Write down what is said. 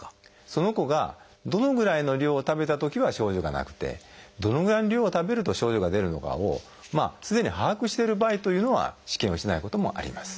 その子がどのぐらいの量を食べたときは症状がなくてどのぐらいの量を食べると症状が出るのかをすでに把握してる場合というのは試験をしないこともあります。